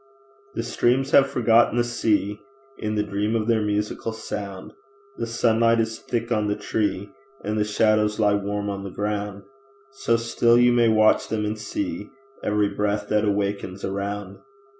The streams have forgotten the sea In the dream of their musical sound; The sunlight is thick on the tree, And the shadows lie warm on the ground So still, you may watch them and see Every breath that awakens around.